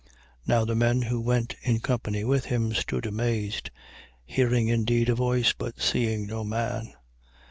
Now the men who went in company with him stood amazed, hearing indeed a voice but seeing no man.